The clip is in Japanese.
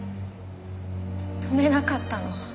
止めなかったの？